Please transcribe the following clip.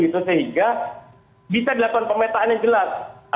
sehingga bisa dilakukan pemetaan yang jelas